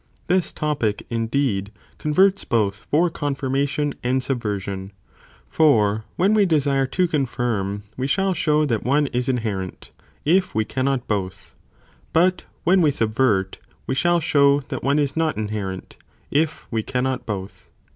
This topic, indeed, cOnverts— both for confirmation and subversion, for when we desire to~ confirm we shall show that one is inherent, if we cannot both ; but when we subvert, we shall show that one is not inherent, if we cannot both.